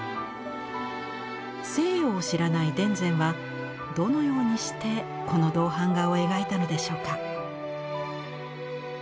西洋を知らない田善はどのようにしてこの銅版画を描いたのでしょうか。